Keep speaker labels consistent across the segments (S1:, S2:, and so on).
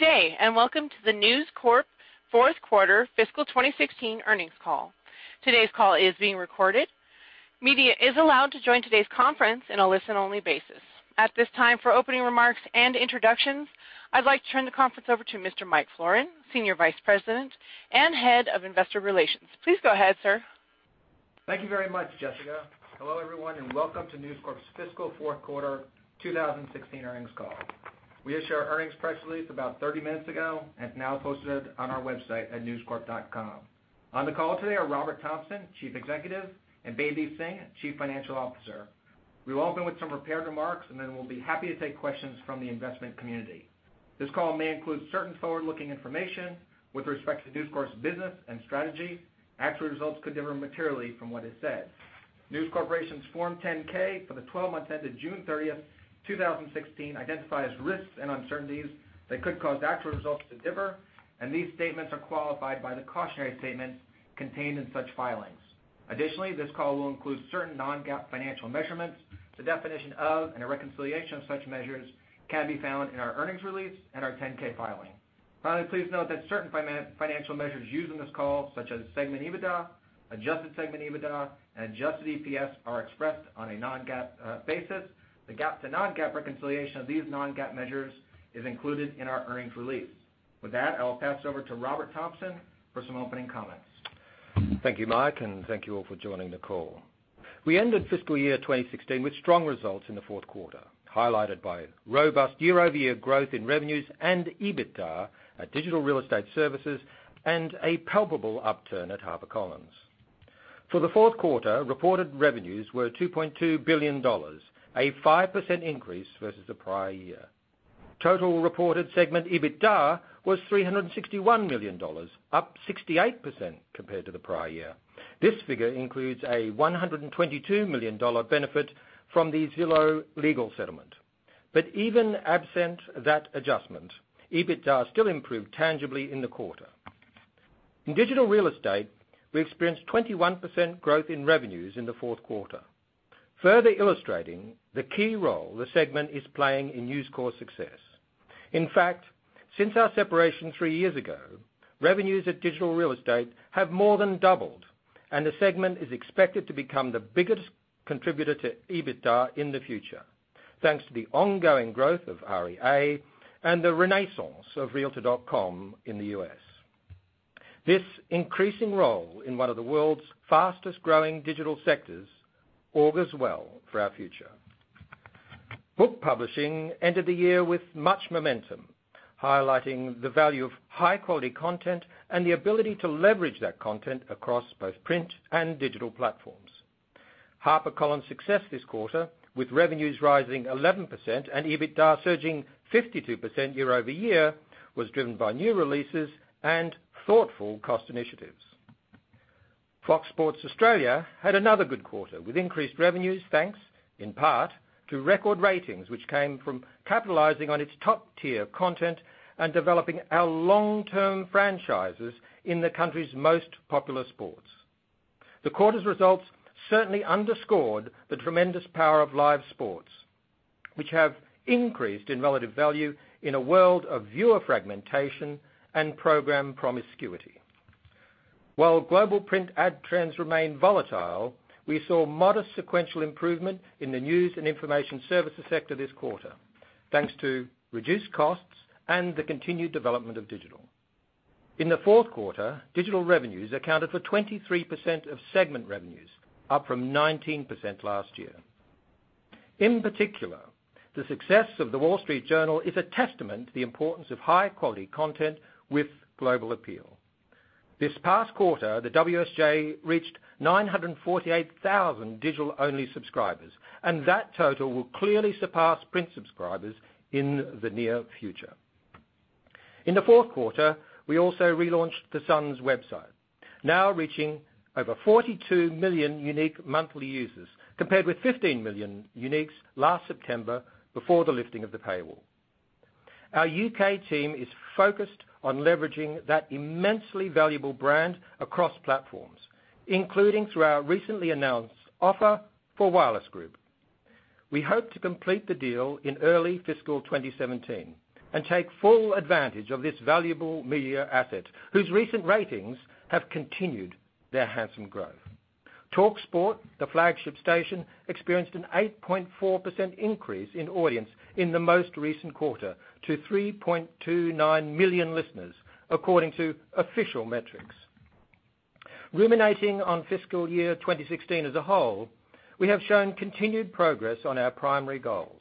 S1: Good day, welcome to the News Corp fourth quarter fiscal 2016 earnings call. Today's call is being recorded. Media is allowed to join today's conference on a listen-only basis. At this time, for opening remarks and introductions, I'd like to turn the conference over to Mr. Mike Florin, Senior Vice President and Head of Investor Relations. Please go ahead, sir.
S2: Thank you very much, Jessica. Hello, everyone, welcome to News Corp's fiscal fourth quarter 2016 earnings call. We issued our earnings press release about 30 minutes ago, it's now posted on our website at newscorp.com. On the call today are Robert Thomson, Chief Executive, and Bedi Singh, Chief Financial Officer. We will open with some prepared remarks, then we'll be happy to take questions from the investment community. This call may include certain forward-looking information with respect to News Corp's business and strategy. Actual results could differ materially from what is said. News Corporation's Form 10-K for the 12 months ended June 30th, 2016 identifies risks and uncertainties that could cause actual results to differ, these statements are qualified by the cautionary statements contained in such filings. Additionally, this call will include certain non-GAAP financial measurements. The definition of and a reconciliation of such measures can be found in our earnings release and our 10-K filing. Finally, please note that certain financial measures used in this call, such as segment EBITDA, adjusted segment EBITDA, and adjusted EPS, are expressed on a non-GAAP basis. The GAAP to non-GAAP reconciliation of these non-GAAP measures is included in our earnings release. With that, I'll pass over to Robert Thomson for some opening comments.
S3: Thank you, Mike, thank you all for joining the call. We ended fiscal year 2016 with strong results in the fourth quarter, highlighted by robust year-over-year growth in revenues and EBITDA at Digital Real Estate Services and a palpable upturn at HarperCollins. For the fourth quarter, reported revenues were $2.2 billion, a 5% increase versus the prior year. Total reported segment EBITDA was $361 million, up 68% compared to the prior year. This figure includes a $122 million benefit from the Zillow legal settlement. Even absent that adjustment, EBITDA still improved tangibly in the quarter. In digital real estate, we experienced 21% growth in revenues in the fourth quarter, further illustrating the key role the segment is playing in News Corp's success. In fact, since our separation three years ago, revenues at Digital Real Estate have more than doubled, and the segment is expected to become the biggest contributor to EBITDA in the future, thanks to the ongoing growth of REA and the renaissance of realtor.com in the U.S. This increasing role in one of the world's fastest-growing digital sectors augurs well for our future. Book publishing ended the year with much momentum, highlighting the value of high-quality content and the ability to leverage that content across both print and digital platforms. HarperCollins' success this quarter, with revenues rising 11% and EBITDA surging 52% year-over-year, was driven by new releases and thoughtful cost initiatives. Fox Sports Australia had another good quarter, with increased revenues, thanks in part to record ratings, which came from capitalizing on its top-tier content and developing our long-term franchises in the country's most popular sports. The quarter's results certainly underscored the tremendous power of live sports, which have increased in relative value in a world of viewer fragmentation and program promiscuity. While global print ad trends remain volatile, we saw modest sequential improvement in the News and Information Services sector this quarter, thanks to reduced costs and the continued development of digital. In the fourth quarter, digital revenues accounted for 23% of segment revenues, up from 19% last year. In particular, the success of The Wall Street Journal is a testament to the importance of high-quality content with global appeal. This past quarter, the WSJ reached 948,000 digital-only subscribers, and that total will clearly surpass print subscribers in the near future. In the fourth quarter, we also relaunched The Sun's website, now reaching over 42 million unique monthly users, compared with 15 million uniques last September before the lifting of the paywall. Our U.K. team is focused on leveraging that immensely valuable brand across platforms, including through our recently announced offer for Wireless Group. We hope to complete the deal in early fiscal 2017 and take full advantage of this valuable media asset, whose recent ratings have continued their handsome growth. talkSPORT, the flagship station, experienced an 8.4% increase in audience in the most recent quarter to 3.29 million listeners, according to official metrics. Ruminating on fiscal year 2016 as a whole, we have shown continued progress on our primary goals: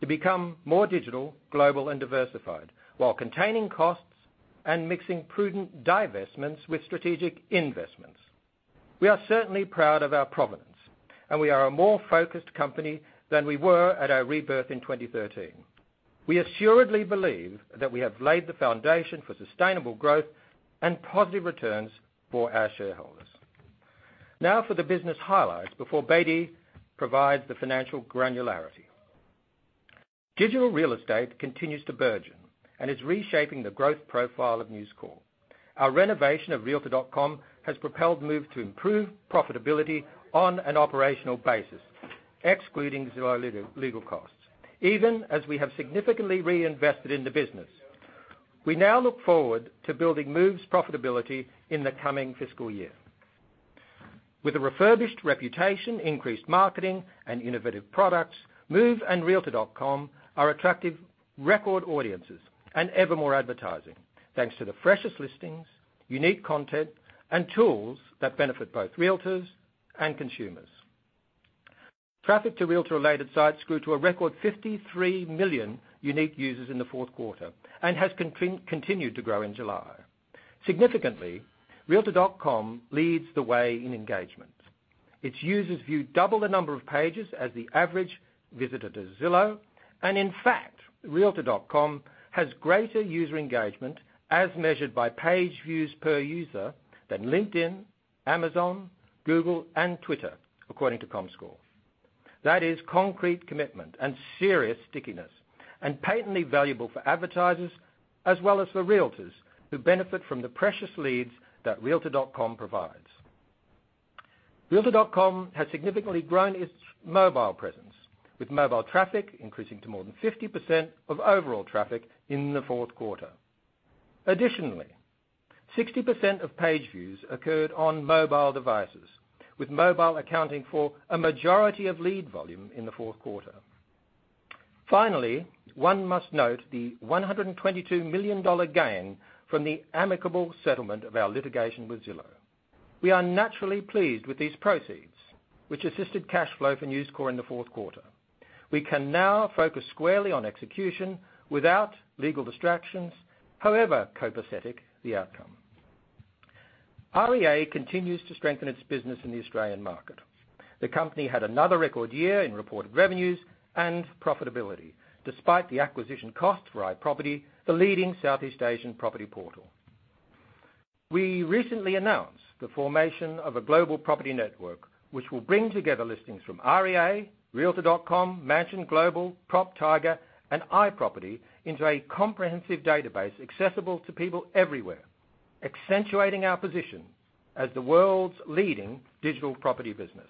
S3: to become more digital, global, and diversified while containing costs and mixing prudent divestments with strategic investments. We are certainly proud of our provenance, and we are a more focused company than we were at our rebirth in 2013. We assuredly believe that we have laid the foundation for sustainable growth and positive returns for our shareholders. Now for the business highlights before Bedi provides the financial granularity. Digital Real Estate continues to burgeon and is reshaping the growth profile of News Corp. Our renovation of realtor.com has propelled Move to improve profitability on an operational basis Excluding Zillow legal costs, even as we have significantly reinvested in the business. We now look forward to building Move's profitability in the coming fiscal year. With a refurbished reputation, increased marketing, and innovative products, Move and realtor.com are attracting record audiences and ever more advertising, thanks to the freshest listings, unique content, and tools that benefit both realtors and consumers. Traffic to realtor-related sites grew to a record 53 million unique users in the fourth quarter, and has continued to grow in July. Significantly, realtor.com leads the way in engagement. Its users view double the number of pages as the average visitor to Zillow, and in fact, realtor.com has greater user engagement as measured by page views per user than LinkedIn, Amazon, Google, and Twitter, according to Comscore. That is concrete commitment and serious stickiness, and patently valuable for advertisers as well as for realtors, who benefit from the precious leads that realtor.com provides. realtor.com has significantly grown its mobile presence, with mobile traffic increasing to more than 50% of overall traffic in the fourth quarter. Additionally, 60% of page views occurred on mobile devices, with mobile accounting for a majority of lead volume in the fourth quarter. Finally, one must note the $122 million gain from the amicable settlement of our litigation with Zillow. We are naturally pleased with these proceeds, which assisted cash flow for News Corp in the fourth quarter. We can now focus squarely on execution without legal distractions, however copacetic the outcome. REA continues to strengthen its business in the Australian market. The company had another record year in reported revenues and profitability, despite the acquisition cost for iProperty, the leading Southeast Asian property portal. We recently announced the formation of a global property network, which will bring together listings from REA, realtor.com, Mansion Global, PropTiger, and iProperty into a comprehensive database accessible to people everywhere, accentuating our position as the world's leading digital property business.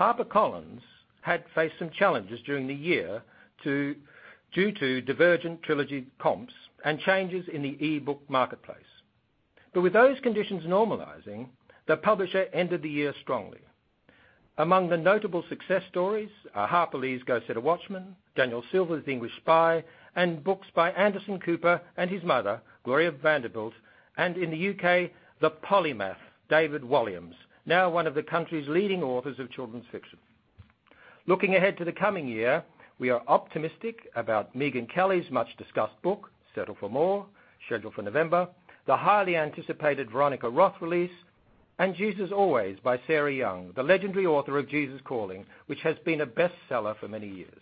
S3: HarperCollins had faced some challenges during the year due to divergent trilogy comps and changes in the e-book marketplace. With those conditions normalizing, the publisher ended the year strongly. Among the notable success stories are Harper Lee's "Go Set a Watchman," Daniel Silva's "The English Spy," and books by Anderson Cooper and his mother, Gloria Vanderbilt, and in the U.K., the polymath, David Walliams, now one of the country's leading authors of children's fiction. Looking ahead to the coming year, we are optimistic about Megyn Kelly's much-discussed book, "Settle for More," scheduled for November, the highly anticipated Veronica Roth release, and "Jesus Always" by Sarah Young, the legendary author of "Jesus Calling," which has been a best-seller for many years.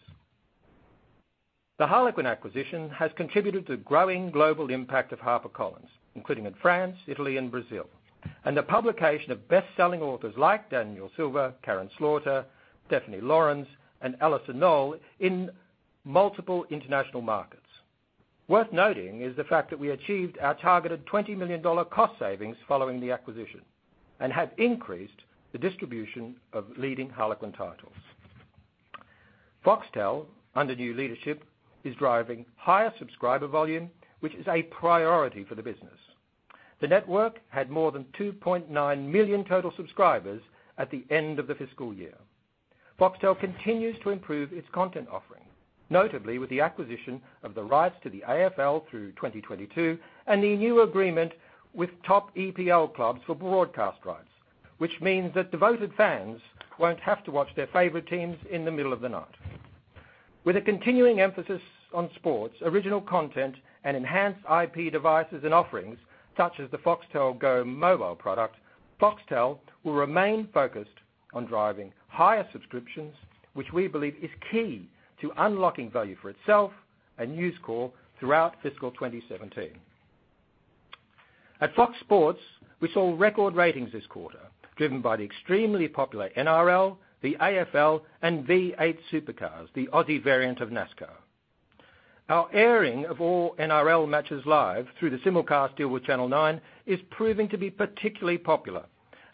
S3: The Harlequin acquisition has contributed to growing global impact of HarperCollins, including in France, Italy, and Brazil, and the publication of best-selling authors like Daniel Silva, Karin Slaughter, Stephanie Laurens, and Alyson Noël in multiple international markets. Worth noting is the fact that we achieved our targeted $20 million cost savings following the acquisition and have increased the distribution of leading Harlequin titles. Foxtel, under new leadership, is driving higher subscriber volume, which is a priority for the business. The network had more than 2.9 million total subscribers at the end of the fiscal year. Foxtel continues to improve its content offering, notably with the acquisition of the rights to the AFL through 2022 and the new agreement with top EPL clubs for broadcast rights, which means that devoted fans won't have to watch their favorite teams in the middle of the night. With a continuing emphasis on sports, original content, and enhanced IP devices and offerings, such as the Foxtel Go mobile product, Foxtel will remain focused on driving higher subscriptions, which we believe is key to unlocking value for itself and News Corp throughout fiscal 2017. At Fox Sports, we saw record ratings this quarter, driven by the extremely popular NRL, the AFL, and V8 Supercars, the Aussie variant of NASCAR. Our airing of all NRL matches live through the simulcast deal with Channel Nine is proving to be particularly popular,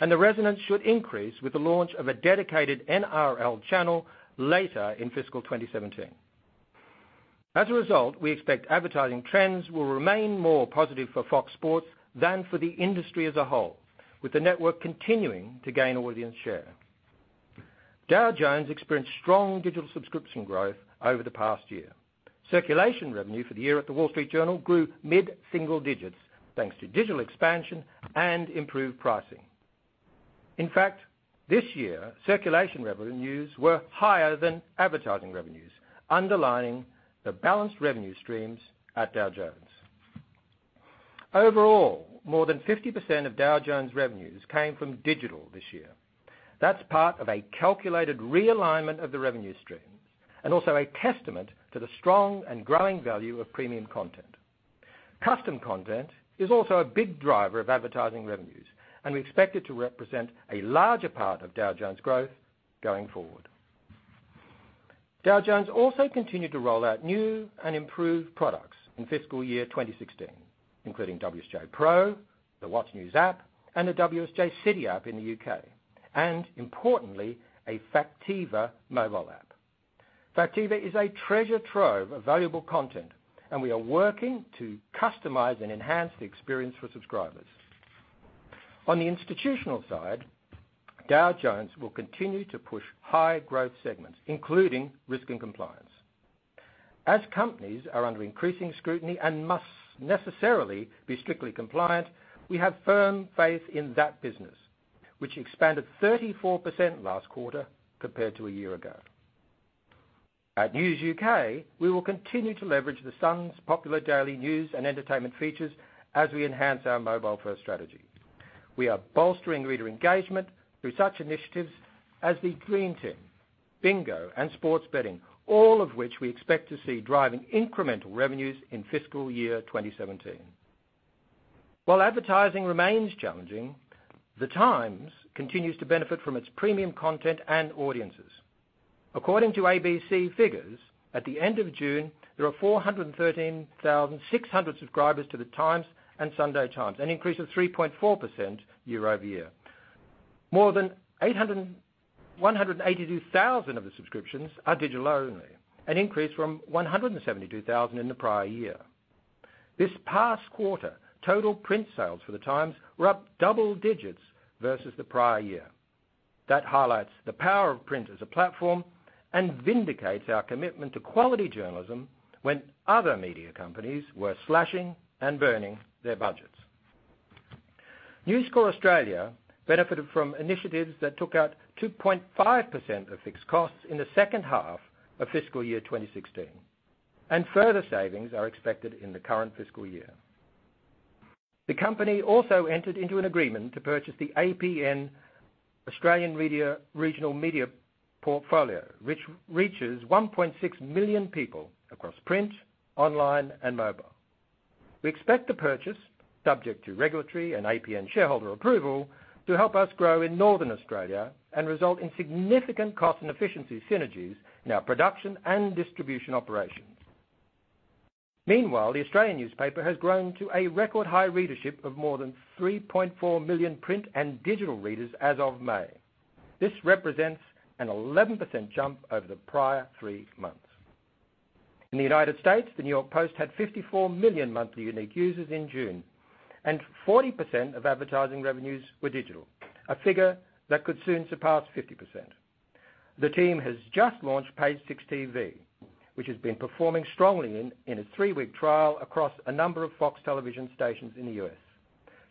S3: and the resonance should increase with the launch of a dedicated NRL channel later in fiscal 2017. As a result, we expect advertising trends will remain more positive for Fox Sports than for the industry as a whole, with the network continuing to gain audience share. Dow Jones experienced strong digital subscription growth over the past year. Circulation revenue for the year at The Wall Street Journal grew mid-single digits, thanks to digital expansion and improved pricing. In fact, this year, circulation revenues were higher than advertising revenues, underlining the balanced revenue streams at Dow Jones. Overall, more than 50% of Dow Jones' revenues came from digital this year. That's part of a calculated realignment of the revenue stream, and also a testament to the strong and growing value of premium content. Custom content is also a big driver of advertising revenues, and we expect it to represent a larger part of Dow Jones' growth going forward. Dow Jones also continued to roll out new and improved products in fiscal year 2016, including WSJ Pro, the What's News app, and the WSJ City app in the U.K., and importantly, a Factiva mobile app. Factiva is a treasure trove of valuable content, and we are working to customize and enhance the experience for subscribers. On the institutional side, Dow Jones will continue to push high-growth segments, including risk and compliance. As companies are under increasing scrutiny and must necessarily be strictly compliant, we have firm faith in that business, which expanded 34% last quarter compared to a year ago. At News UK, we will continue to leverage The Sun's popular daily news and entertainment features as we enhance our mobile-first strategy. We are bolstering reader engagement through such initiatives as the Dream Team, Bingo, and Sports Betting, all of which we expect to see driving incremental revenues in fiscal year 2017. While advertising remains challenging, The Times continues to benefit from its premium content and audiences. According to ABC figures, at the end of June, there were 413,600 subscribers to The Times and The Sunday Times, an increase of 3.4% year-over-year. More than 182,000 of the subscriptions are digital-only, an increase from 172,000 in the prior year. This past quarter, total print sales for The Times were up double digits versus the prior year. That highlights the power of print as a platform and vindicates our commitment to quality journalism when other media companies were slashing and burning their budgets. News Corp Australia benefited from initiatives that took out 2.5% of fixed costs in the second half of fiscal year 2016, and further savings are expected in the current fiscal year. The company also entered into an agreement to purchase the APN Australian Regional Media portfolio, which reaches 1.6 million people across print, online, and mobile. We expect the purchase, subject to regulatory and APN shareholder approval, to help us grow in Northern Australia and result in significant cost and efficiency synergies in our production and distribution operations. Meanwhile, The Australian has grown to a record high readership of more than 3.4 million print and digital readers as of May. This represents an 11% jump over the prior three months. In the U.S., the New York Post had 54 million monthly unique users in June, and 40% of advertising revenues were digital, a figure that could soon surpass 50%. The team has just launched Page Six TV, which has been performing strongly in a three-week trial across a number of Fox Television Stations in the U.S.,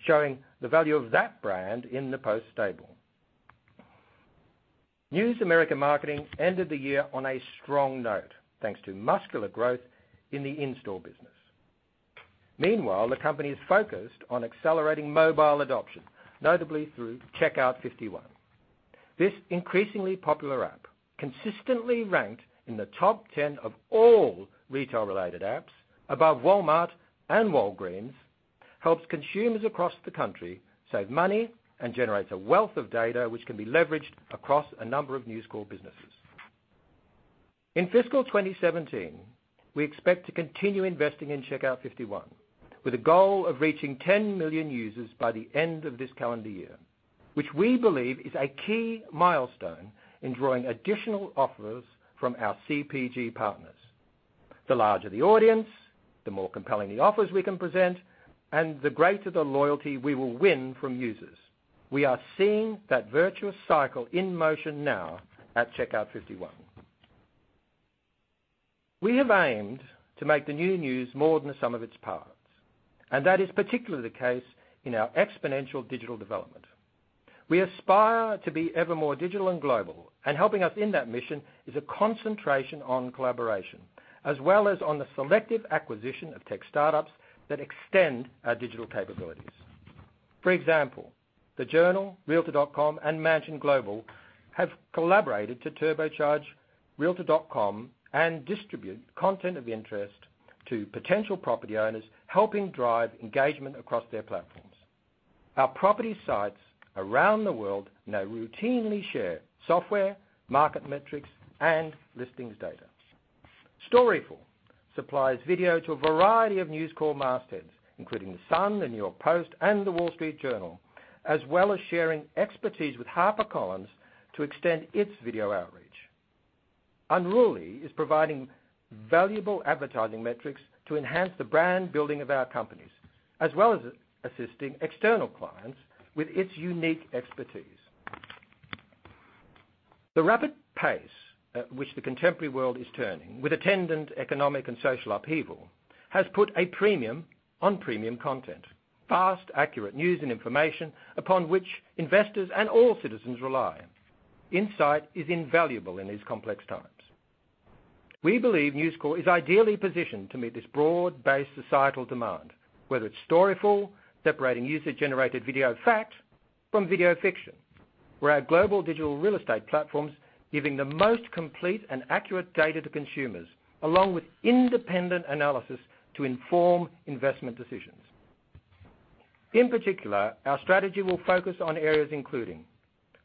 S3: showing the value of that brand in the Post stable. News America Marketing ended the year on a strong note, thanks to muscular growth in the in-store business. Meanwhile, the company is focused on accelerating mobile adoption, notably through Checkout 51. This increasingly popular app, consistently ranked in the top 10 of all retail-related apps above Walmart and Walgreens, helps consumers across the country save money and generates a wealth of data which can be leveraged across a number of News Corp businesses. In fiscal 2017, we expect to continue investing in Checkout 51 with a goal of reaching 10 million users by the end of this calendar year, which we believe is a key milestone in drawing additional offers from our CPG partners. The larger the audience, the more compelling the offers we can present, and the greater the loyalty we will win from users. We are seeing that virtuous cycle in motion now at Checkout 51. We have aimed to make the new News more than the sum of its parts, and that is particularly the case in our exponential digital development. We aspire to be ever more digital and global, helping us in that mission is a concentration on collaboration, as well as on the selective acquisition of tech startups that extend our digital capabilities. For example, the Journal, realtor.com, and Mansion Global have collaborated to turbocharge realtor.com and distribute content of interest to potential property owners, helping drive engagement across their platforms. Our property sites around the world now routinely share software, market metrics, and listings data. Storyful supplies video to a variety of News Corp mastheads, including The Sun, the New York Post, and The Wall Street Journal, as well as sharing expertise with HarperCollins to extend its video outreach. Unruly is providing valuable advertising metrics to enhance the brand building of our companies, as well as assisting external clients with its unique expertise. The rapid pace at which the contemporary world is turning with attendant economic and social upheaval has put a premium on premium content. Fast, accurate news and information upon which investors and all citizens rely. Insight is invaluable in these complex times. We believe News Corp is ideally positioned to meet this broad-based societal demand, whether it's Storyful separating user-generated video facts from video fiction or our global digital real estate platforms giving the most complete and accurate data to consumers, along with independent analysis to inform investment decisions. In particular, our strategy will focus on areas including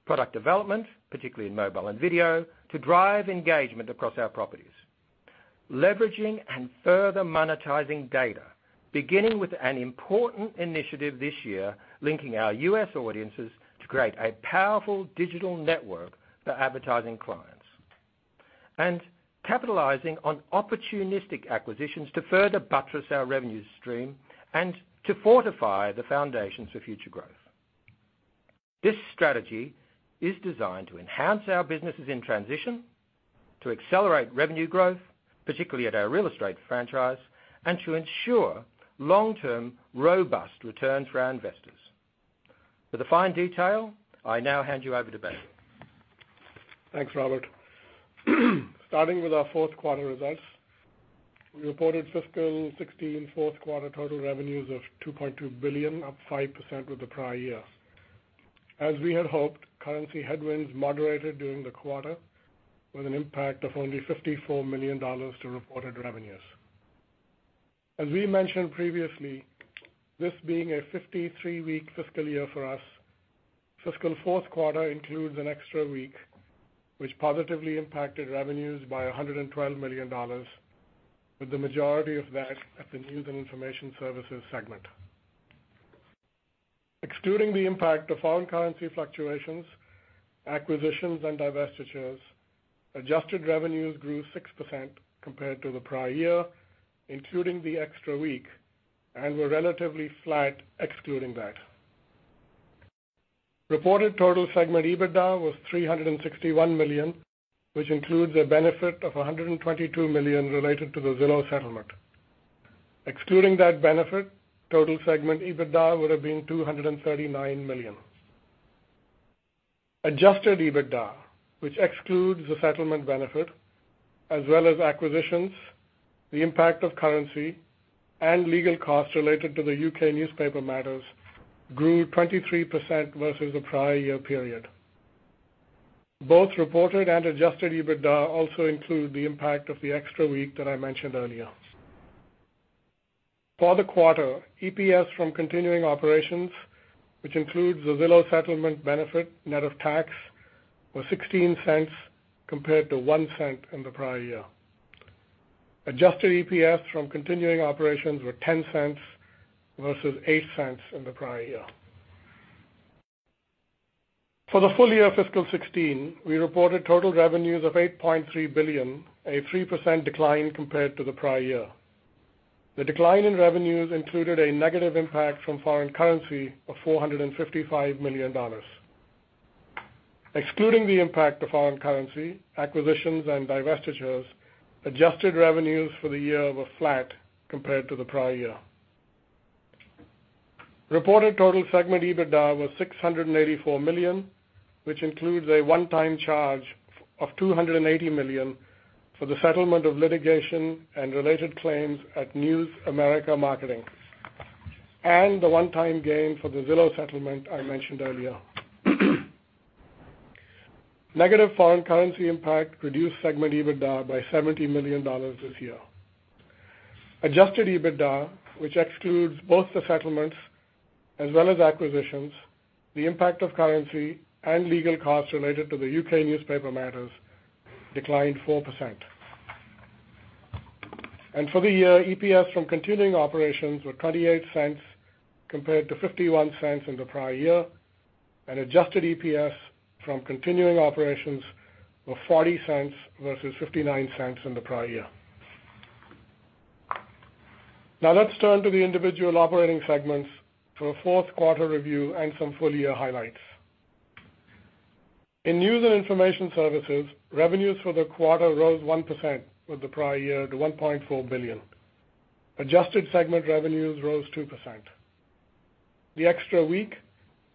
S3: product development, particularly in mobile and video, to drive engagement across our properties. Leveraging and further monetizing data, beginning with an important initiative this year, linking our U.S. audiences to create a powerful digital network for advertising clients. Capitalizing on opportunistic acquisitions to further buttress our revenue stream and to fortify the foundations for future growth. This strategy is designed to enhance our businesses in transition, to accelerate revenue growth, particularly at our real estate franchise, and to ensure long-term, robust returns for our investors. For the fine detail, I now hand you over to Bedi.
S4: Thanks, Robert. Starting with our fourth quarter results, we reported fiscal 2016 fourth quarter total revenues of $2.2 billion, up 5% with the prior year. As we had hoped, currency headwinds moderated during the quarter, with an impact of only $54 million to reported revenues. As we mentioned previously, this being a 53-week fiscal year for us, fiscal fourth quarter includes an extra week, which positively impacted revenues by $112 million, with the majority of that at the News and Information Services segment. Excluding the impact of foreign currency fluctuations, acquisitions, and divestitures, adjusted revenues grew 6% compared to the prior year, including the extra week, and were relatively flat excluding that. Reported total segment EBITDA was $361 million, which includes a benefit of $122 million related to the Zillow settlement. Excluding that benefit, total segment EBITDA would've been $239 million. Adjusted EBITDA, which excludes the settlement benefit as well as acquisitions, the impact of currency, and legal costs related to the U.K. newspaper matters, grew 23% versus the prior year period. Both reported and adjusted EBITDA also include the impact of the extra week that I mentioned earlier. For the quarter, EPS from continuing operations, which includes the Zillow settlement benefit net of tax, was $0.16 compared to $0.01 in the prior year. Adjusted EPS from continuing operations were $0.10 versus $0.08 in the prior year. For the full year fiscal 2016, we reported total revenues of $8.3 billion, a 3% decline compared to the prior year. The decline in revenues included a negative impact from foreign currency of $455 million. Excluding the impact of foreign currency, acquisitions, and divestitures, adjusted revenues for the year were flat compared to the prior year. Reported total segment EBITDA was $684 million, which includes a one-time charge of $280 million for the settlement of litigation and related claims at News America Marketing, and the one-time gain for the Zillow settlement I mentioned earlier. Negative foreign currency impact reduced segment EBITDA by $70 million this year. Adjusted EBITDA, which excludes both the settlements as well as acquisitions, the impact of currency, and legal costs related to the U.K. newspaper matters, declined 4%. For the year, EPS from continuing operations were $0.28 compared to $0.51 in the prior year, and adjusted EPS from continuing operations were $0.40 versus $0.59 in the prior year. Now let's turn to the individual operating segments for a fourth quarter review and some full year highlights. In News and Information Services, revenues for the quarter rose 1% with the prior year to $1.4 billion. Adjusted segment revenues rose 2%. The extra week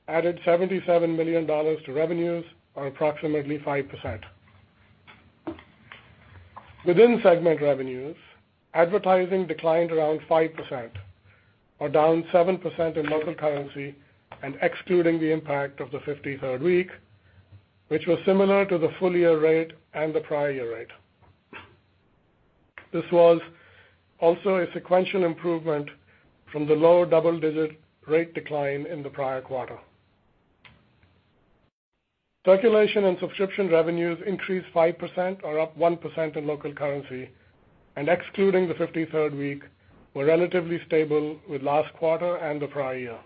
S4: added $77 million to revenues or approximately 5%. Within segment revenues, advertising declined around 5%, or down 7% in local currency, and excluding the impact of the 53rd week, which was similar to the full year rate and the prior year rate. This was also a sequential improvement from the low double-digit rate decline in the prior quarter. Circulation and subscription revenues increased 5%, or up 1% in local currency, and excluding the 53rd week, were relatively stable with last quarter and the prior year.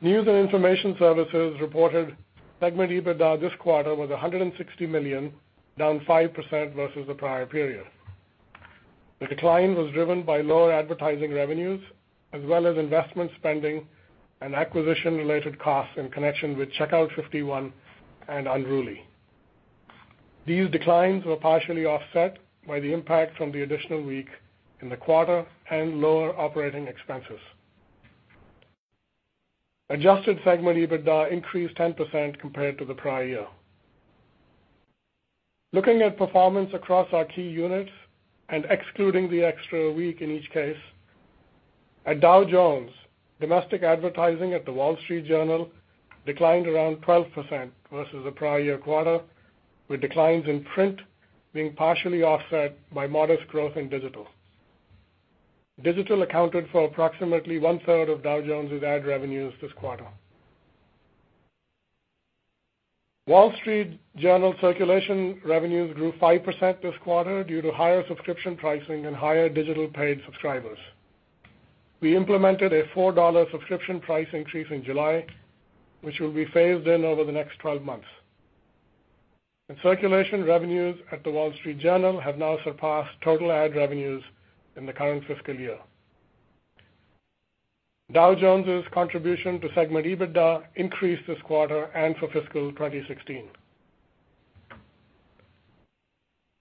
S4: News and Information Services reported segment EBITDA this quarter was $160 million, down 5% versus the prior period. The decline was driven by lower advertising revenues, as well as investment spending and acquisition-related costs in connection with Checkout 51 and Unruly. These declines were partially offset by the impact from the additional week in the quarter and lower operating expenses. Adjusted segment EBITDA increased 10% compared to the prior year. Looking at performance across our key units and excluding the extra week in each case, at Dow Jones, domestic advertising at The Wall Street Journal declined around 12% versus the prior year quarter. With declines in print being partially offset by modest growth in digital. Digital accounted for approximately one-third of Dow Jones' ad revenues this quarter. Wall Street Journal circulation revenues grew 5% this quarter due to higher subscription pricing and higher digital paid subscribers. We implemented a $4 subscription price increase in July, which will be phased in over the next 12 months. Circulation revenues at the Wall Street Journal have now surpassed total ad revenues in the current fiscal year. Dow Jones' contribution to segment EBITDA increased this quarter and for fiscal 2016.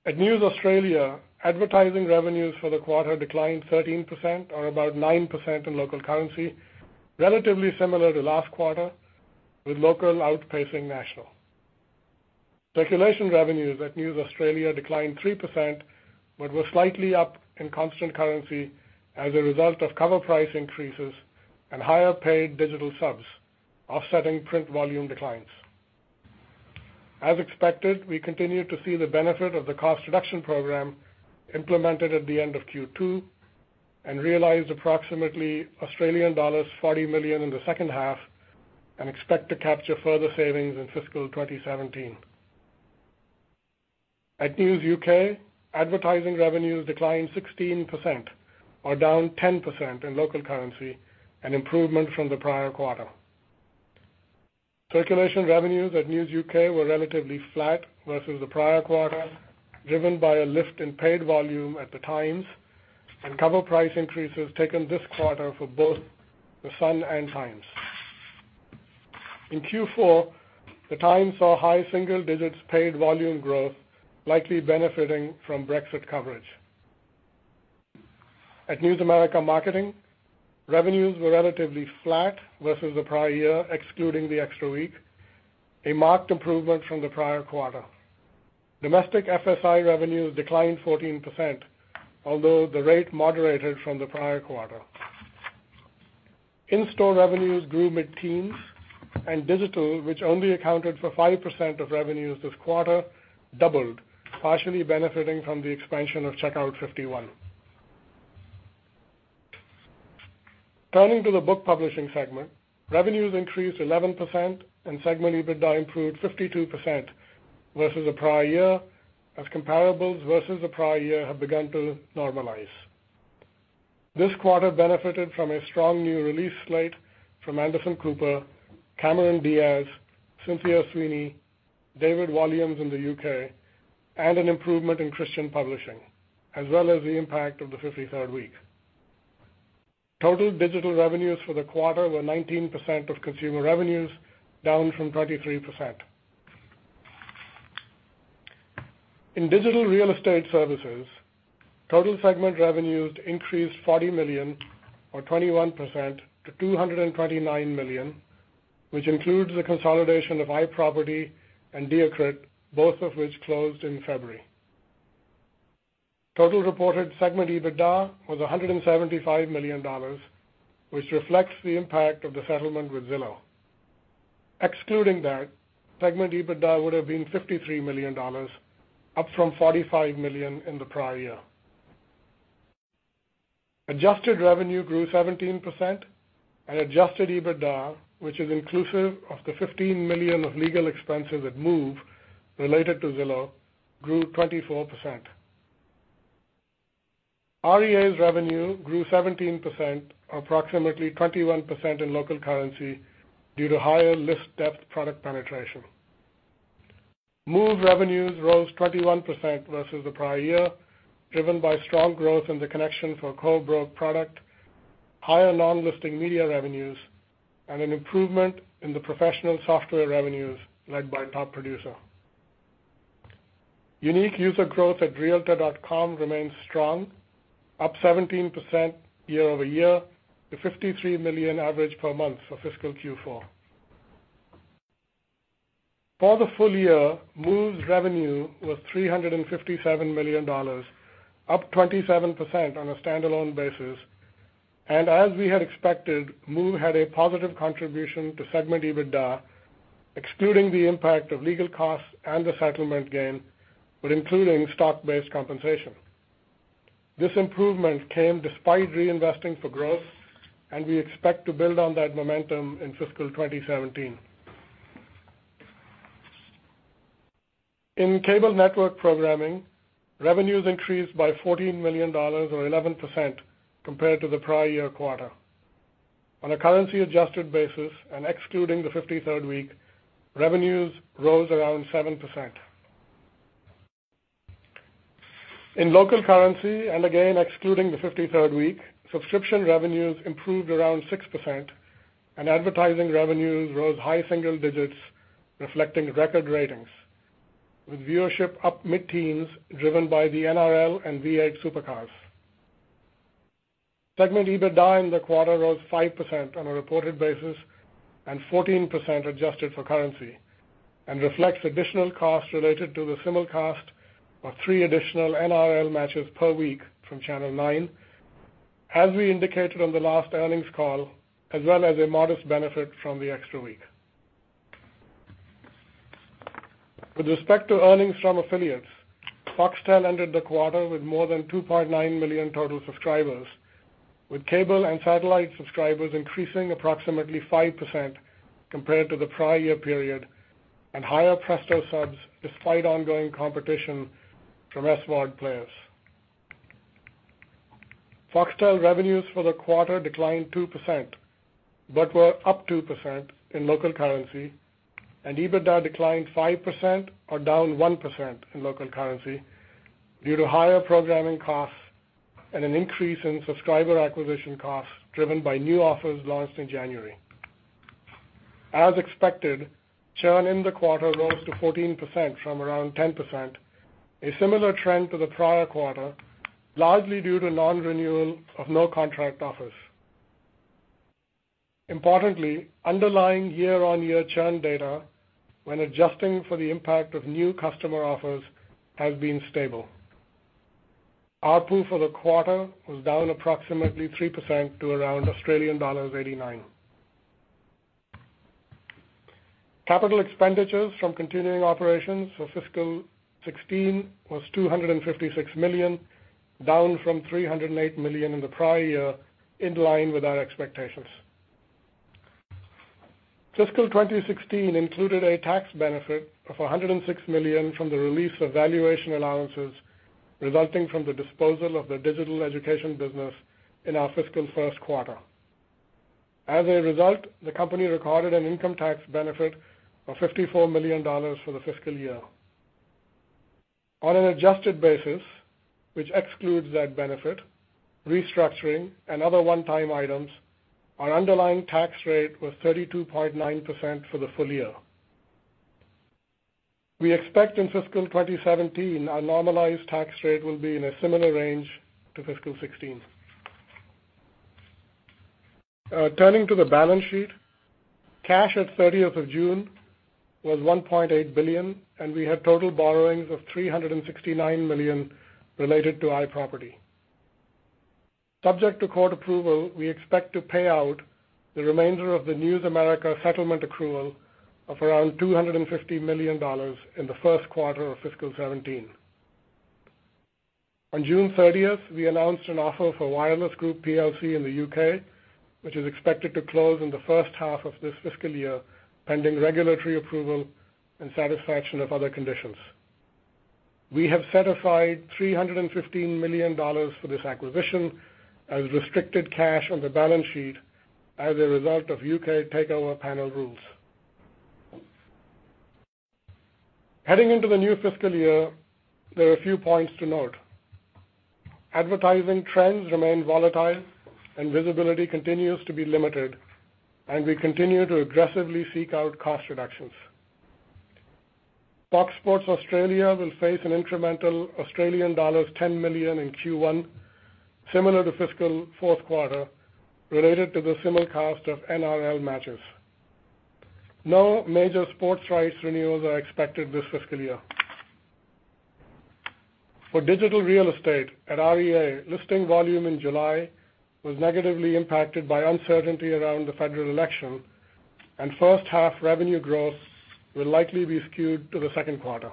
S4: At News Australia, advertising revenues for the quarter declined 13%, or about 9% in local currency, relatively similar to last quarter, with local outpacing national. Circulation revenues at News Australia declined 3%, but were slightly up in constant currency as a result of cover price increases and higher paid digital subs offsetting print volume declines. As expected, we continue to see the benefit of the cost reduction program implemented at the end of Q2 and realized approximately Australian dollars 40 million in the second half and expect to capture further savings in fiscal 2017. At News UK, advertising revenues declined 16%, or down 10% in local currency, an improvement from the prior quarter. Circulation revenues at News UK were relatively flat versus the prior quarter, driven by a lift in paid volume at The Times and cover price increases taken this quarter for both The Sun and The Times. In Q4, The Times saw high single digits paid volume growth, likely benefiting from Brexit coverage. At News America Marketing, revenues were relatively flat versus the prior year, excluding the extra week, a marked improvement from the prior quarter. Domestic FSI revenues declined 14%, although the rate moderated from the prior quarter. In-store revenues grew mid-teens, and digital, which only accounted for 5% of revenues this quarter, doubled, partially benefiting from the expansion of Checkout 51. Turning to the book publishing segment, revenues increased 11%, and segment EBITDA improved 52% versus the prior year, as comparables versus the prior year have begun to normalize. This quarter benefited from a strong new release slate from Anderson Cooper, Cameron Diaz, Cynthia Sweeney, David Walliams in the U.K., and an improvement in Christian publishing, as well as the impact of the 53rd week. Total digital revenues for the quarter were 19% of consumer revenues, down from 23%. In Digital Real Estate Services, total segment revenues increased $40 million, or 21%, to $229 million, which includes the consolidation of iProperty and Diakrit, both of which closed in February. Total reported segment EBITDA was $175 million, which reflects the impact of the settlement with Zillow. Excluding that, segment EBITDA would have been $53 million, up from $45 million in the prior year. Adjusted revenue grew 17%, and adjusted EBITDA, which is inclusive of the $15 million of legal expenses at Move related to Zillow, grew 24%. REA's revenue grew 17%, approximately 21% in local currency, due to higher listing depth product penetration. Move revenues rose 21% versus the prior year, driven by strong growth in the ConnectionsSM for Co-Brokered product, higher non-listing media revenues, and an improvement in the professional software revenues led by Top Producer. Unique user growth at realtor.com remains strong, up 17% year-over-year to 53 million average per month for fiscal Q4. For the full year, Move's revenue was $357 million, up 27% on a standalone basis. As we had expected, Move had a positive contribution to segment EBITDA, excluding the impact of legal costs and the settlement gain, but including stock-based compensation. This improvement came despite reinvesting for growth, and we expect to build on that momentum in fiscal 2017. In cable network programming, revenues increased by $14 million, or 11%, compared to the prior year quarter. On a currency-adjusted basis and excluding the 53rd week, revenues rose around 7%. In local currency, and again excluding the 53rd week, subscription revenues improved around 6%, and advertising revenues rose high single digits, reflecting record ratings, with viewership up mid-teens driven by the NRL and V8 Supercars. Segment EBITDA in the quarter rose 5% on a reported basis and 14% adjusted for currency and reflects additional costs related to the simulcast of three additional NRL matches per week from Channel Nine. As we indicated on the last earnings call, as well as a modest benefit from the extra week. With respect to earnings from affiliates, Foxtel ended the quarter with more than 2.9 million total subscribers, with cable and satellite subscribers increasing approximately 5% compared to the prior year period, and higher Presto subs despite ongoing competition from SVOD players. Foxtel revenues for the quarter declined 2%, but were up 2% in local currency, and EBITDA declined 5%, or down 1% in local currency, due to higher programming costs and an increase in subscriber acquisition costs driven by new offers launched in January. As expected, churn in the quarter rose to 14% from around 10%, a similar trend to the prior quarter, largely due to non-renewal of no-contract offers. Importantly, underlying year-on-year churn data, when adjusting for the impact of new customer offers, has been stable. ARPU for the quarter was down approximately 3% to around Australian dollars 89. Capital expenditures from continuing operations for fiscal 2016 was $256 million, down from $308 million in the prior year, in line with our expectations. Fiscal 2016 included a tax benefit of $106 million from the release of valuation allowances resulting from the disposal of the digital education business in our fiscal first quarter. As a result, the company recorded an income tax benefit of $54 million for the fiscal year. On an adjusted basis, which excludes that benefit, restructuring, and other one-time items, our underlying tax rate was 32.9% for the full year. We expect in fiscal 2017 our normalized tax rate will be in a similar range to fiscal 2016. Turning to the balance sheet, cash at June 30th was $1.8 billion, and we had total borrowings of $369 million related to iProperty. Subject to court approval, we expect to pay out the remainder of the News America settlement accrual of around $250 million in the first quarter of fiscal 2017. On June 30th, we announced an offer for Wireless Group PLC in the U.K., which is expected to close in the first half of this fiscal year, pending regulatory approval and satisfaction of other conditions. We have set aside $315 million for this acquisition as restricted cash on the balance sheet as a result of U.K. Takeover Panel rules. Heading into the new fiscal year, there are a few points to note. Advertising trends remain volatile and visibility continues to be limited. We continue to aggressively seek out cost reductions. Fox Sports Australia will face an incremental Australian dollars 10 million in Q1, similar to fiscal fourth quarter, related to the similar cost of NRL matches. No major sports rights renewals are expected this fiscal year. For Digital Real Estate at REA, listing volume in July was negatively impacted by uncertainty around the federal election and first half revenue growth will likely be skewed to the second quarter.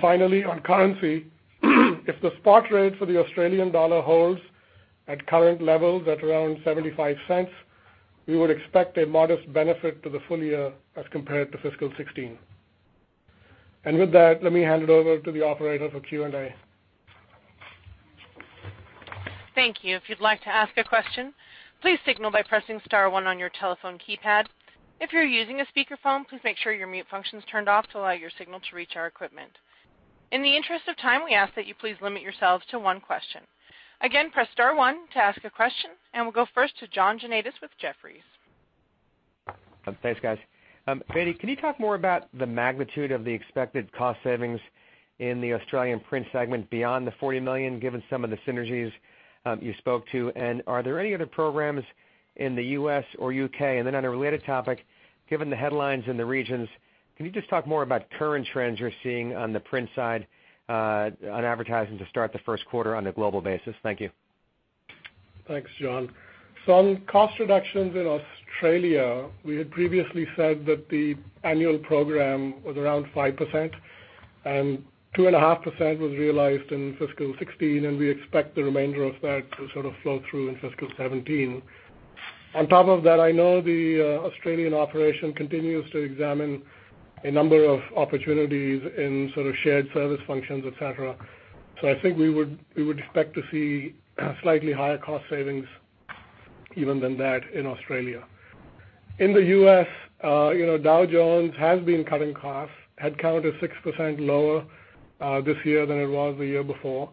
S4: Finally, on currency, if the spot rate for the Australian dollar holds at current levels at around 0.75, we would expect a modest benefit to the full year as compared to fiscal 2016. With that, let me hand it over to the operator for Q&A.
S1: Thank you. If you'd like to ask a question, please signal by pressing *1 on your telephone keypad. If you're using a speakerphone, please make sure your mute function's turned off to allow your signal to reach our equipment. In the interest of time, we ask that you please limit yourselves to one question. Again, press *1 to ask a question. We'll go first to John Janedis with Jefferies.
S5: Thanks, guys. Bedi, can you talk more about the magnitude of the expected cost savings in the Australian print segment beyond the 40 million, given some of the synergies you spoke to? Are there any other programs in the U.S. or U.K.? On a related topic, given the headlines in the regions, can you just talk more about current trends you're seeing on the print side on advertising to start the first quarter on a global basis? Thank you.
S4: Thanks, John. On cost reductions in Australia, we had previously said that the annual program was around 5%, and 2.5% was realized in FY 2016, and we expect the remainder of that to sort of flow through in FY 2017. On top of that, I know the Australian operation continues to examine a number of opportunities in sort of shared service functions, et cetera. I think we would expect to see slightly higher cost savings even than that in Australia. In the U.S., Dow Jones has been cutting costs, head count is 6% lower this year than it was the year before.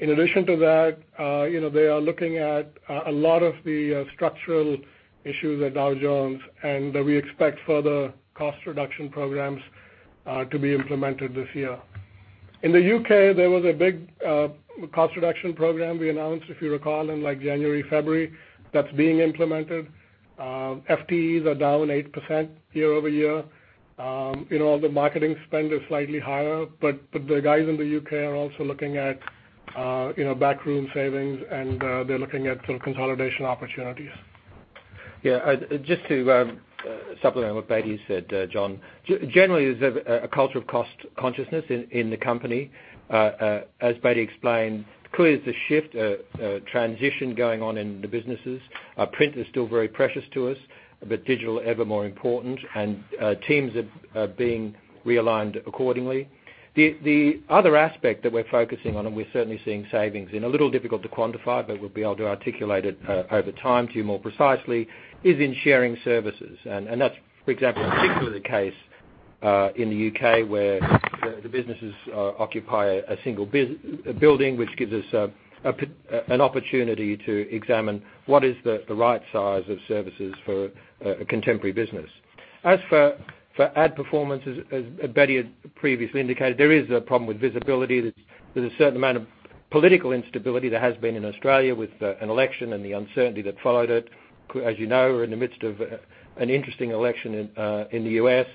S4: In addition to that, they are looking at a lot of the structural issues at Dow Jones, and we expect further cost reduction programs to be implemented this year. In the U.K., there was a big cost reduction program we announced, if you recall, in January, February, that's being implemented. FTEs are down 8% year-over-year. The marketing spend is slightly higher, the guys in the U.K. are also looking at back room savings and they're looking at some consolidation opportunities.
S3: Just to supplement what Bedi said, John. Generally, there's a culture of cost consciousness in the company. As Bedi explained, clearly there's a shift, a transition going on in the businesses. Print is still very precious to us, digital ever more important, and teams are being realigned accordingly. The other aspect that we're focusing on, and we're certainly seeing savings in, a little difficult to quantify, but we'll be able to articulate it over time to you more precisely, is in sharing services. That's, for example, particularly the case in the U.K. where the businesses occupy a single building, which gives us an opportunity to examine what is the right size of services for a contemporary business. As for ad performance, as Bedi had previously indicated, there is a problem with visibility. There's a certain amount of political instability there has been in Australia with an election and the uncertainty that followed it. As you know, we're in the midst of an interesting election in the U.S.,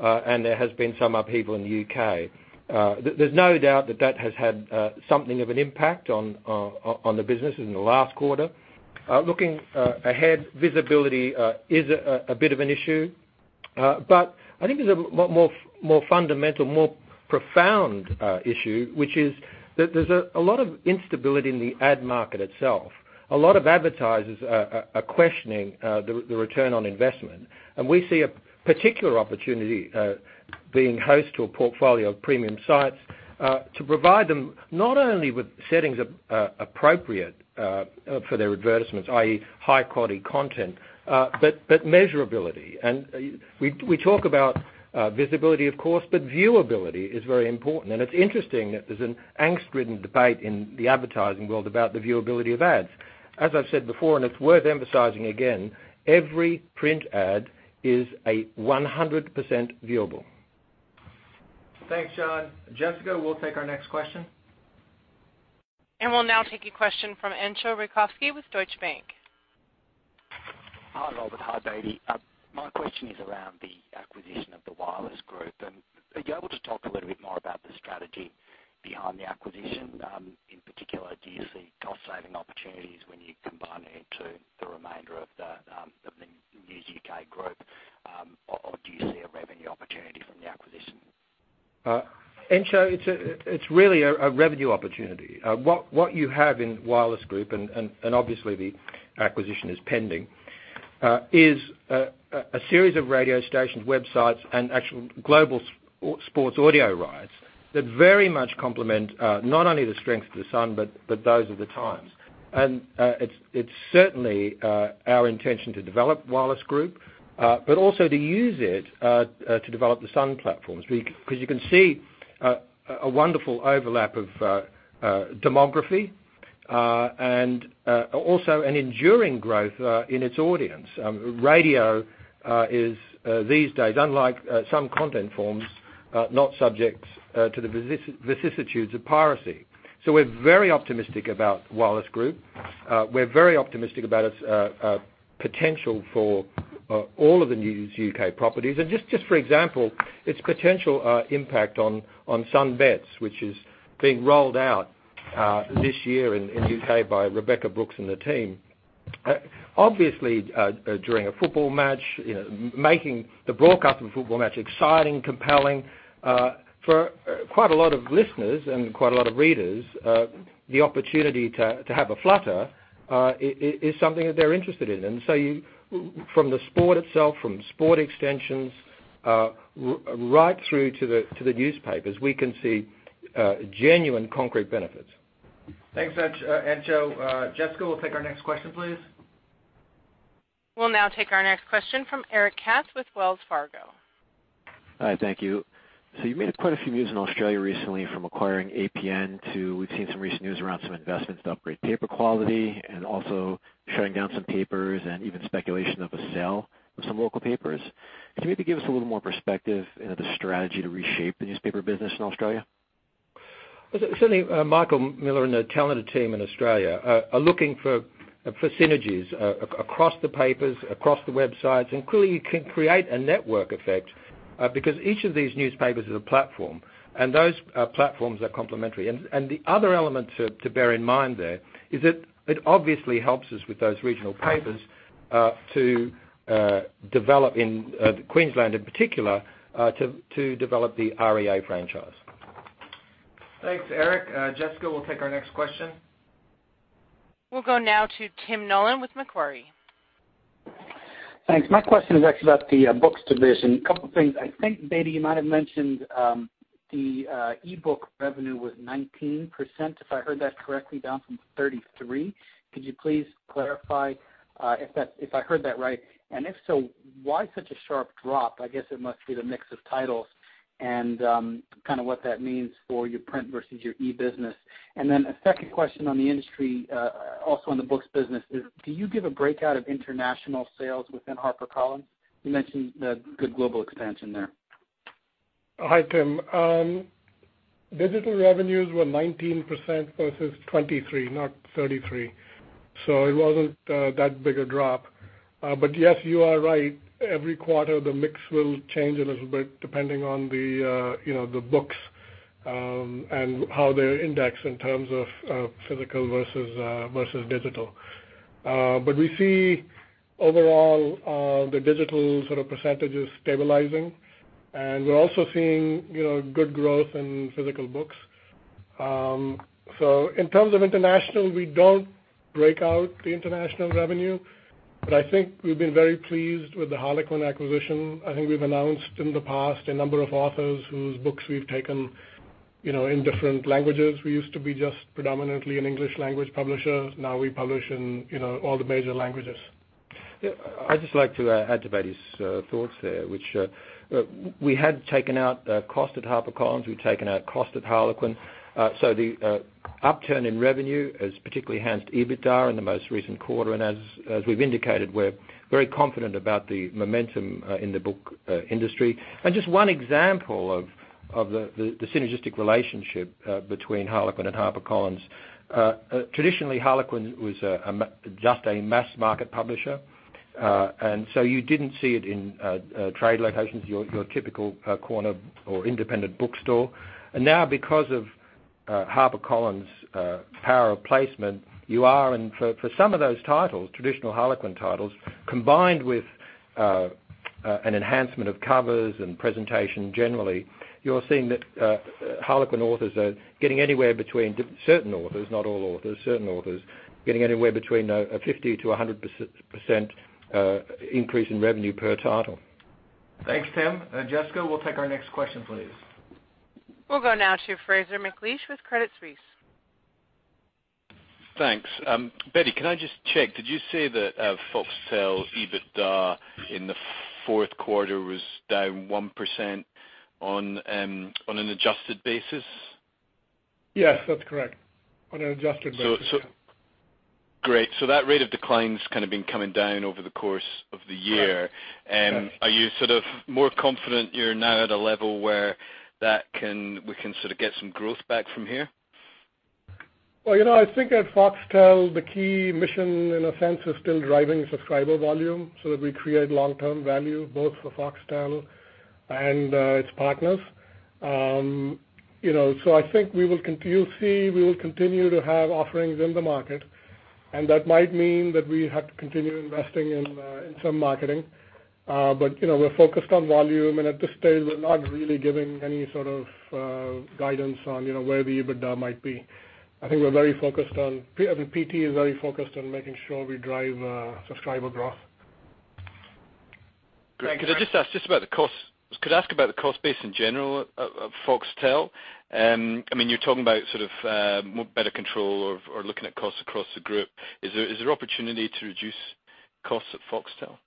S3: there has been some upheaval in the U.K. There's no doubt that that has had something of an impact on the business in the last quarter. Looking ahead, visibility is a bit of an issue. I think there's a more fundamental, more profound issue, which is that there's a lot of instability in the ad market itself. A lot of advertisers are questioning the return on investment, and we see a particular opportunity being host to a portfolio of premium sites to provide them not only with settings appropriate for their advertisements, i.e., high-quality content, but measurability. We talk about visibility, of course, but viewability is very important. It's interesting that there's an angst-ridden debate in the advertising world about the viewability of ads. As I've said before, and it's worth emphasizing again, every print ad is 100% viewable.
S2: Thanks, John. Jessica, we'll take our next question.
S1: We'll now take a question from Entcho Raykovski with Deutsche Bank.
S6: Hi, Robert. Hi, Bedi. My question is around the acquisition of the Wireless Group. Are you able to talk a little bit more about the strategy behind the acquisition? In particular, do you see cost-saving opportunities when you combine it into the remainder of the News UK Group? Or do you see a revenue opportunity from the acquisition?
S3: Entcho, it's really a revenue opportunity. What you have in Wireless Group, and obviously the acquisition is pending, is a series of radio stations, websites, and actual global sports audio rights that very much complement not only the strength of The Sun but those are The Times. It's certainly our intention to develop Wireless Group, but also to use it to develop The Sun platforms. You can see a wonderful overlap of demography, and also an enduring growth in its audience. Radio is, these days, unlike some content forms, not subject to the vicissitudes of piracy. We're very optimistic about Wireless Group. We're very optimistic about its potential for all of the News UK properties. Just for example, its potential impact on Sun Bets, which is being rolled out this year in the U.K. by Rebekah Brooks and the team. Obviously, during a football match, making the broadcast of a football match exciting, compelling, for quite a lot of listeners and quite a lot of readers, the opportunity to have a flutter is something that they're interested in. From the sport itself, from sport extensions, right through to the newspapers, we can see genuine concrete benefits.
S2: Thanks, Entcho. Jessica, we'll take our next question, please.
S1: We'll now take our next question from Eric Katz with Wells Fargo.
S7: Hi, thank you. You made quite a few news in Australia recently, from acquiring APN to we've seen some recent news around some investments to upgrade paper quality and also shutting down some papers and even speculation of a sale of some local papers. Can you maybe give us a little more perspective into the strategy to reshape the newspaper business in Australia?
S3: Certainly, Michael Miller and the talented team in Australia are looking for synergies across the papers, across the websites. Clearly, you can create a network effect because each of these newspapers is a platform. Those platforms are complementary. The other element to bear in mind there is that it obviously helps us with those regional papers to develop in Queensland, in particular, to develop the REA franchise.
S2: Thanks, Eric. Jessica, we'll take our next question.
S1: We'll go now to Tim Nollen with Macquarie.
S8: Thanks. My question is actually about the Books division. A couple of things. I think, Bedi, you might have mentioned the e-book revenue was 19%, if I heard that correctly, down from 33. Could you please clarify if I heard that right? If so, why such a sharp drop? I guess it must be the mix of titles and kind of what that means for your print versus your e-business. A second question on the industry, also on the Books business is, do you give a breakout of international sales within HarperCollins? You mentioned the good global expansion there.
S4: Hi, Tim. Digital revenues were 19% versus 23%, not 33%. It wasn't that big a drop. Yes, you are right. Every quarter, the mix will change a little bit depending on the books how they're indexed in terms of physical versus digital. We see overall, the digital percentages stabilizing, and we're also seeing good growth in physical books. In terms of international, we don't break out the international revenue, but I think we've been very pleased with the Harlequin acquisition. I think we've announced in the past a number of authors whose books we've taken in different languages. We used to be just predominantly an English language publisher. Now we publish in all the major languages.
S3: Yeah. I'd just like to add to Bedi's thoughts there. We had taken out cost at HarperCollins. We've taken out cost at Harlequin. The upturn in revenue has particularly enhanced EBITDA in the most recent quarter. As we've indicated, we're very confident about the momentum in the book industry. Just one example of the synergistic relationship between Harlequin and HarperCollins. Traditionally, Harlequin was just a mass market publisher. So you didn't see it in trade locations, your typical corner or independent bookstore. Now because of HarperCollins' power of placement, for some of those titles, traditional Harlequin titles, combined with an enhancement of covers and presentation generally, you're seeing that Harlequin authors are getting anywhere between, certain authors, not all authors, certain authors, getting anywhere between a 50%-100% increase in revenue per title.
S2: Thanks, Tim. Jessica, we'll take our next question, please.
S1: We'll go now to Fraser McLeish with Credit Suisse.
S9: Thanks. Bedi, can I just check, did you say that Foxtel EBITDA in the fourth quarter was down 1% on an adjusted basis?
S4: Yes, that's correct. On an adjusted basis.
S9: Great. That rate of decline's kind of been coming down over the course of the year.
S4: Correct.
S9: Are you more confident you're now at a level where we can sort of get some growth back from here?
S4: Well, I think at Foxtel, the key mission in a sense is still driving subscriber volume so that we create long-term value both for Foxtel and its partners. I think you'll see we will continue to have offerings in the market, and that might mean that we have to continue investing in some marketing. We're focused on volume, and at this stage, we're not really giving any sort of guidance on where the EBITDA might be. I think PT is very focused on making sure we drive subscriber growth.
S9: Great. Could I ask about the cost base in general of Foxtel? You're talking about better control or looking at costs across the group. Is there opportunity to reduce costs at Foxtel?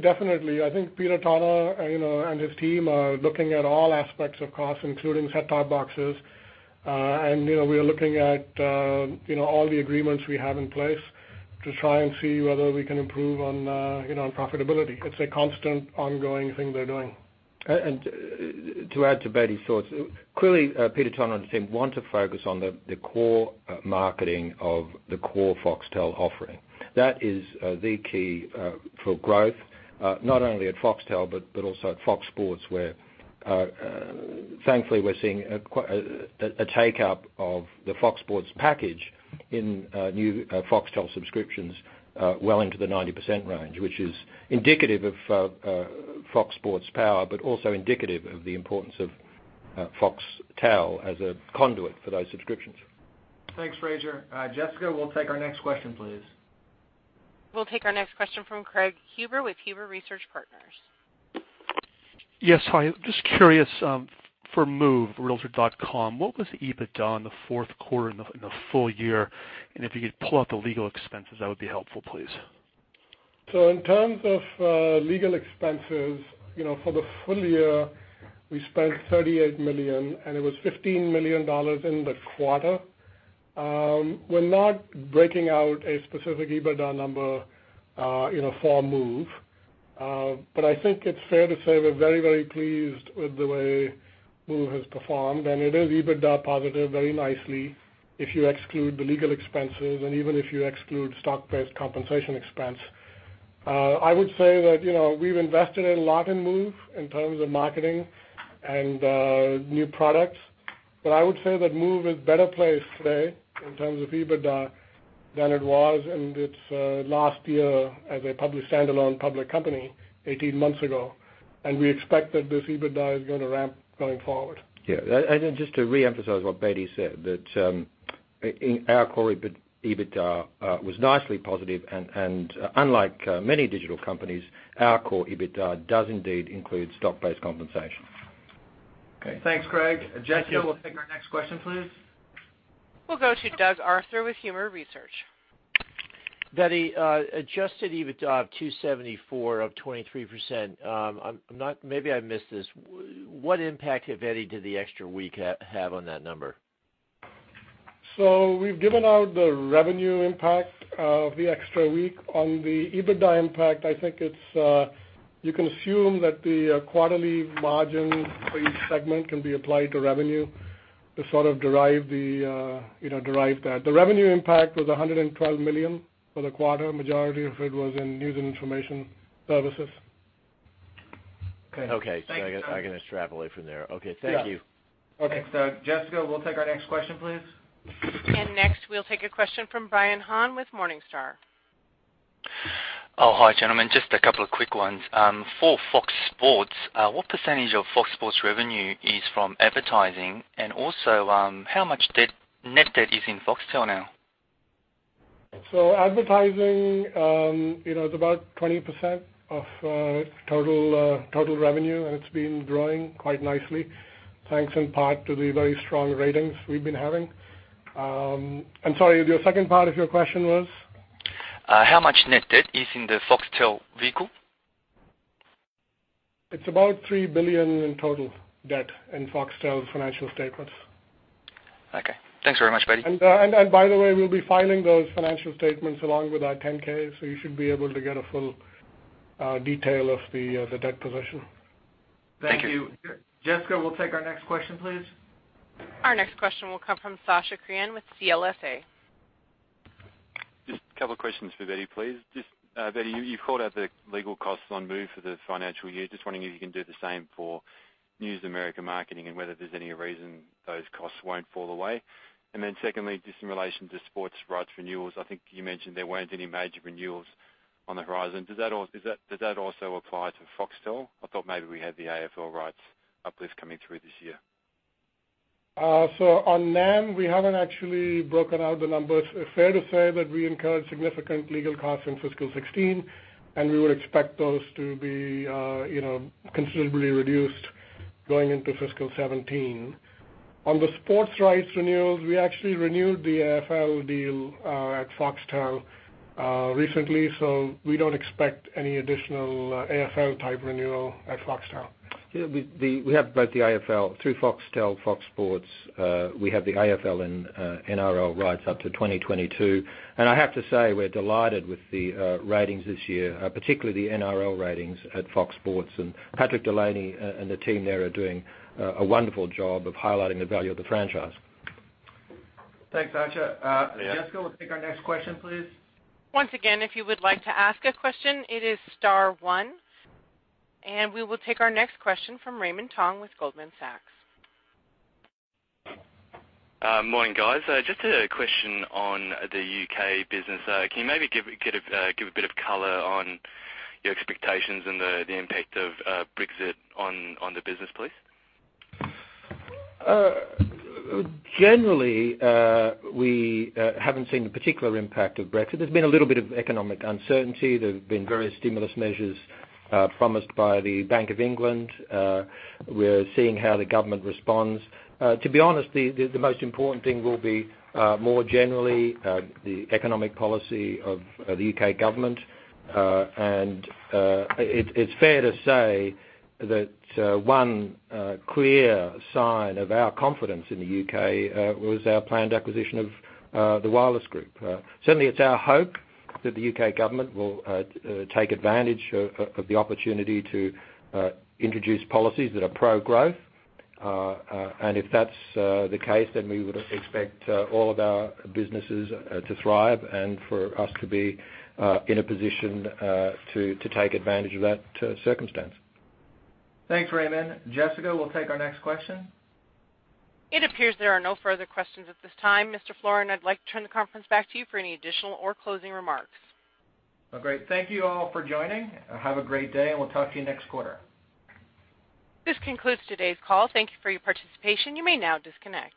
S4: Definitely. I think Peter Turner and his team are looking at all aspects of cost, including set-top boxes. We are looking at all the agreements we have in place to try and see whether we can improve on profitability. It's a constant ongoing thing they're doing.
S3: To add to Bedi's thoughts, clearly, Peter Turner and the team want to focus on the core marketing of the core Foxtel offering. That is the key for growth, not only at Foxtel, but also at Fox Sports, where thankfully we're seeing a take-up of the Fox Sports package in new Foxtel subscriptions well into the 90% range, which is indicative of Fox Sports power, but also indicative of the importance of Foxtel as a conduit for those subscriptions.
S2: Thanks, Fraser. Jessica, we'll take our next question, please.
S1: We'll take our next question from Craig Huber with Huber Research Partners.
S10: Yes. Hi. Just curious, for Move, realtor.com, what was the EBITDA in the fourth quarter and the full year? If you could pull out the legal expenses, that would be helpful, please.
S4: In terms of legal expenses, for the full year, we spent $38 million. It was $15 million in the quarter. We're not breaking out a specific EBITDA number for Move. I think it's fair to say we're very pleased with the way Move has performed. It is EBITDA positive very nicely if you exclude the legal expenses and even if you exclude stock-based compensation expense. I would say that we've invested a lot in Move in terms of marketing and new products. I would say that Move is better placed today in terms of EBITDA than it was in its last year as a standalone public company 18 months ago. We expect that this EBITDA is going to ramp going forward.
S3: Yeah. Just to reemphasize what Bedi said, that our core EBITDA was nicely positive. Unlike many digital companies, our core EBITDA does indeed include stock-based compensation.
S2: Okay. Thanks, Craig. Jessica, we'll take our next question, please.
S1: We'll go to Doug Arthur with Huber Research Partners.
S11: Bedi, adjusted EBITDA of $274 of 23%. Maybe I missed this. What impact, if any, did the extra week have on that number?
S4: We've given out the revenue impact of the extra week. On the EBITDA impact, I think you can assume that the quarterly margin for each segment can be applied to revenue. To sort of derive that. The revenue impact was $112 million for the quarter. Majority of it was in News and Information Services.
S11: Okay. Thanks. Okay. I can extrapolate from there. Okay. Thank you.
S4: Yeah. Okay.
S2: Jessica, we'll take our next question, please.
S1: Next, we'll take a question from Brian Han with Morningstar.
S12: Oh, hi, gentlemen. Just a couple of quick ones. For Fox Sports, what percentage of Fox Sports revenue is from advertising? Also, how much net debt is in Foxtel now?
S4: Advertising, it's about 20% of total revenue, and it's been growing quite nicely, thanks in part to the very strong ratings we've been having. I'm sorry, your second part of your question was?
S12: How much net debt is in the Foxtel vehicle?
S4: It's about $3 billion in total debt in Foxtel's financial statements.
S12: Okay. Thanks very much, Bedi.
S4: By the way, we'll be filing those financial statements along with our 10-K, you should be able to get a full detail of the debt position.
S12: Thank you.
S2: Thank you. Jessica, we'll take our next question, please.
S1: Our next question will come from Sasha Kriin with CLSA.
S13: Just a couple of questions for Bedi, please. Bedi, you called out the legal costs on Move for the financial year. Just wondering if you can do the same for News America Marketing, and whether there's any reason those costs won't fall away. Secondly, just in relation to sports rights renewals, I think you mentioned there weren't any major renewals on the horizon. Does that also apply to Foxtel? I thought maybe we had the AFL rights uplift coming through this year.
S4: On NAM, we haven't actually broken out the numbers. Fair to say that we incurred significant legal costs in fiscal 2016, we would expect those to be considerably reduced going into fiscal 2017. On the sports rights renewals, we actually renewed the AFL deal at Foxtel recently, we don't expect any additional AFL-type renewal at Foxtel.
S3: Yeah, we have both the AFL through Foxtel, Fox Sports. We have the AFL and NRL rights up to 2022. I have to say, we're delighted with the ratings this year, particularly the NRL ratings at Fox Sports. Patrick Delany and the team there are doing a wonderful job of highlighting the value of the franchise.
S2: Thanks, Sasha.
S13: Yeah.
S2: Jessica, we'll take our next question, please.
S1: Once again, if you would like to ask a question, it is star one. We will take our next question from Raymond Tong with Goldman Sachs.
S14: Morning, guys. Just a question on the U.K. business. Can you maybe give a bit of color on your expectations and the impact of Brexit on the business, please?
S3: Generally, we haven't seen a particular impact of Brexit. There's been a little bit of economic uncertainty. There have been various stimulus measures promised by the Bank of England. We're seeing how the government responds. To be honest, the most important thing will be, more generally, the economic policy of the U.K. government. It's fair to say that one clear sign of our confidence in the U.K. was our planned acquisition of the Wireless Group. Certainly, it's our hope that the U.K. government will take advantage of the opportunity to introduce policies that are pro-growth. If that's the case, we would expect all of our businesses to thrive and for us to be in a position to take advantage of that circumstance.
S2: Thanks, Raymond. Jessica, we'll take our next question.
S1: It appears there are no further questions at this time. Mr. Florin, I'd like to turn the conference back to you for any additional or closing remarks.
S2: Well, great. Thank you all for joining. Have a great day, we'll talk to you next quarter.
S1: This concludes today's call. Thank you for your participation. You may now disconnect.